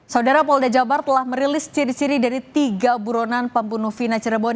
saudara polda jabar telah merilis ciri ciri dari tiga buronan pembunuh vina cirebon